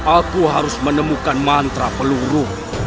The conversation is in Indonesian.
aku harus menemukan mantra peluru